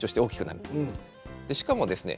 しかもですね